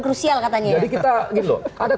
krusial katanya jadi kita gitu loh ada